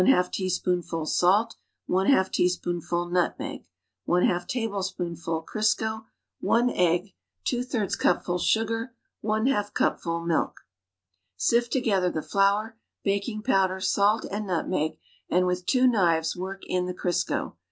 2 teaspoonful salt Jj teaspoonful nutmeg J/2 tablespoonful Crisco 1 egg ;j cupful sugar J2 cupful milk Sift together the flour, baking powder, salt and nutmeg and with two knives work in the Crisco.